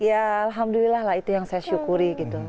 ya alhamdulillah lah itu yang saya syukuri gitu